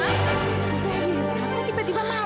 zaira kau tiba tiba marah sama mama